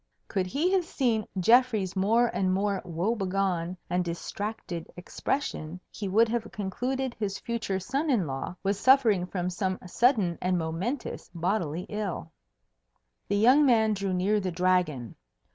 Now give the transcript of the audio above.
Could he have seen Geoffrey's more and more woe begone and distracted expression, he would have concluded his future son in law was suffering from some sudden and momentous bodily ill. The young man drew near the Dragon.